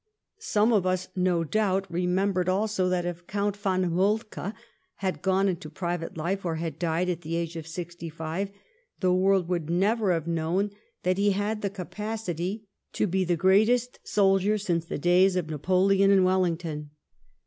Some of us, no doubt, re GLADSTONE IN RETIREMENT 315 membered also that if Count von Moltke had gone into private life or had died at the age of sixty five, the world would never have known that he had the capacity to be the greatest soldier since the days of Napoleon and Wellington.